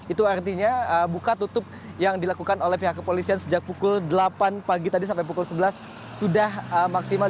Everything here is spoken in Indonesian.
itu artinya buka tutup yang dilakukan oleh pihak kepolisian sejak pukul delapan pagi tadi sampai pukul sebelas sudah maksimal